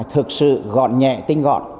thực sự gọn nhẹ tinh gọn